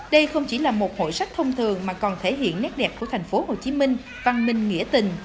đây không chỉ là một hội sách thông thường mà còn thể hiện nét đẹp của tp hcm văn minh nghĩa tình